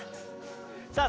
さあ